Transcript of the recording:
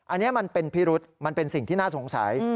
อันนี้มันเป็นพิรุษมันเป็นสิ่งที่น่าสงสัย